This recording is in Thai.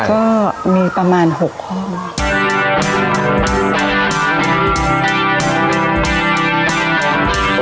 ก็มีประมาณ๖ห้องนะครับ